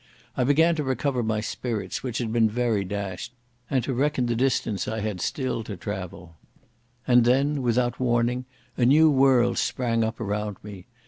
I began to recover my spirits, which had been very dashed, and to reckon the distance I had still to travel.... And then, without warning, a new world sprang up around me.